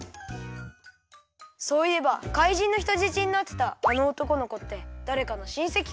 そういえば怪人のひとじちになってたあのおとこのこってだれかのしんせきかな？